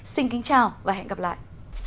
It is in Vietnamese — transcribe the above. xin kính chào và hẹn gặp lại